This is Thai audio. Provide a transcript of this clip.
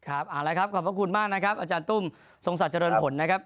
เอาละครับขอบพระคุณมากนะครับอาจารย์ตุ้มทรงศักดิ์เจริญผลนะครับ